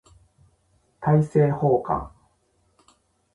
大政奉還